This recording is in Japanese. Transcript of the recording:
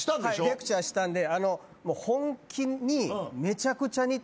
レクチャーしたんで。